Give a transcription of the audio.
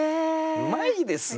うまいですね！